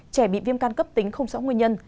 trẻ bị viêm can cấp tính không rõ nguyên nhân